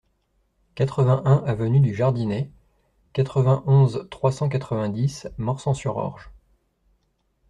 quatre-vingt-un avenue du Jardinet, quatre-vingt-onze, trois cent quatre-vingt-dix, Morsang-sur-Orge